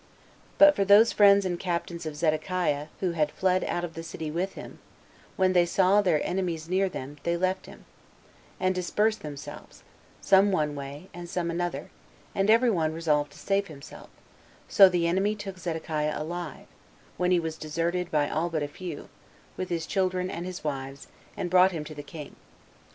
But for those friends and captains of Zedekiah who had fled out of the city with him, when they saw their enemies near them, they left him, and dispersed themselves, some one way, and some another, and every one resolved to save himself; so the enemy took Zedekiah alive, when he was deserted by all but a few, with his children and his wives, and brought him to the king.